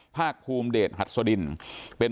ภาคภูมิเดชหัสดินเป็น